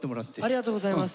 ありがとうございます。